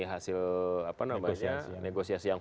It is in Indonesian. hasil apa namanya negosiasi yang